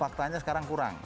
faktanya sekarang kurang